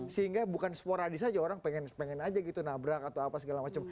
sehingga bukan sporadis aja orang pengen pengen aja gitu nabrak atau apa segala macam